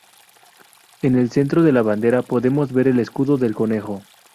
En el centro de la bandera, podemos ver el escudo del concejo.